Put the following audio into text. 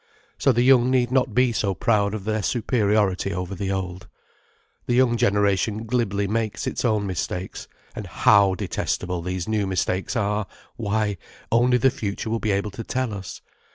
So the young need not be so proud of their superiority over the old. The young generation glibly makes its own mistakes: and how detestable these new mistakes are, why, only the future will be able to tell us.